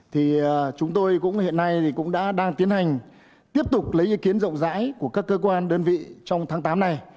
thì chúng tôi cũng hiện nay thì cũng đã đang tiến hành tiếp tục lấy ý kiến rộng rãi của các cơ quan đơn vị trong tháng tám này